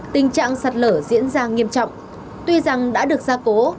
tình trạng sạt lở diễn ra nghiêm trọng tuy rằng đã được gia cố